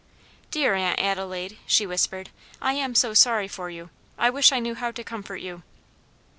"Dear Aunt Adelaide," she whispered, "I am so sorry for you. I wish I knew how to comfort you."